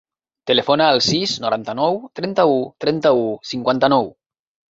Telefona al sis, noranta-nou, trenta-u, trenta-u, cinquanta-nou.